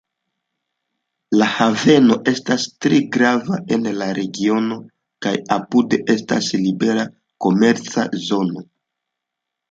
La haveno estas tre grava en la regiono kaj apude estas libera komerca zono.